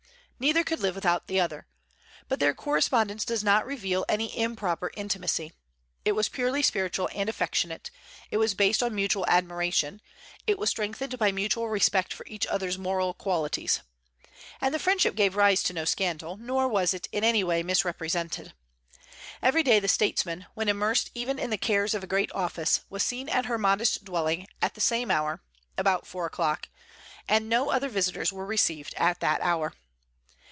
Neither could live without the other. But their correspondence does not reveal any improper intimacy. It was purely spiritual and affectionate; it was based on mutual admiration; it was strengthened by mutual respect for each other's moral qualities. And the friendship gave rise to no scandal; nor was it in any way misrepresented. Every day the statesman, when immersed even in the cares of a great office, was seen at her modest dwelling, at the same hour, about four o'clock, and no other visitors were received at that hour.